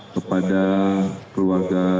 kepada bapak wakil presiden